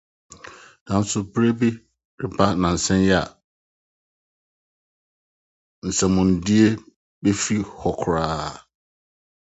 Nanso, bere bi reba nnansa yi ara a nsɛmmɔnedi befi hɔ koraa!